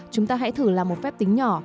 chúng ta hãy thử làm một phép tính nhỏ